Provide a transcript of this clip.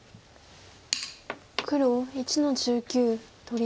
黒１の十九取り。